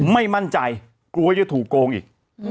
ไม่มั่นใจกลัวจะถูกโกงอีก